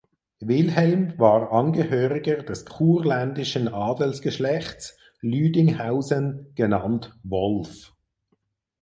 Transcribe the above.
Wilhelm war Angehöriger des kurländischen Adelsgeschlechts Lüdinghausen genannt Wolff.